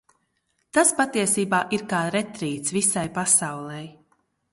Tas patiesībā ir kā retrīts visai pasaulei.